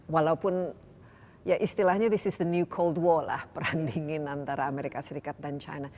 walaupun istilahnya ini adalah perang dingin antara amerika serikat dan china